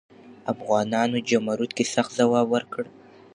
افغانانو جمرود کې سخت ځواب ورکړ.